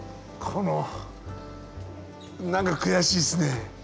このなんか悔しいっすね。